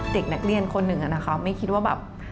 เด็กนักเรียนคนหนึ่งอะนะคะไม่คิดว่าแบบ